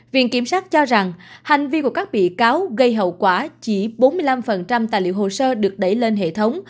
viện kiểm sát cho rằng hành vi của các bị cáo gây hậu quả chỉ bốn mươi năm tài liệu hồ sơ được đẩy lên hệ thống